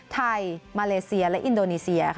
มาเลเซียและอินโดนีเซีย